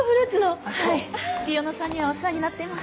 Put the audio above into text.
はい月夜野さんにはお世話になっています。